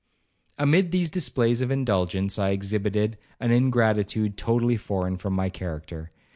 'Amid these displays of indulgence, I exhibited an ingratitude totally foreign from my character.